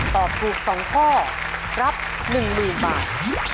ตอบถูก๒ข้อรับ๑๐๐๐บาท